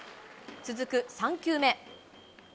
続く３球目。